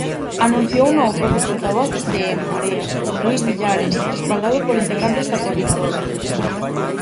Anunciouno o propio portavoz de En Marea, Luis Villares, respaldado por integrantes da Coordinadora.